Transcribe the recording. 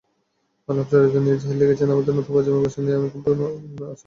আলাপচারিতা নিয়ে জাহিদ লিখেছেন, আমাদের নতুন প্রজন্মের ভবিষ্যৎ নিয়ে আমি খুবই আশাবাদী।